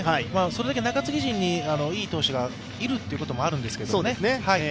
それだけ中継ぎ陣にいい投手がいるということもあるんですけど。